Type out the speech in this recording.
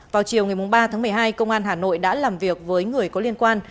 vào chiều ngày ba tháng một mươi hai công an hà nội đã làm việc với người có liên quan